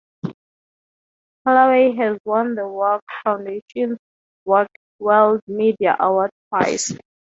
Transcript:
Kellaway has won the Work Foundation's Workworld Media Award twice.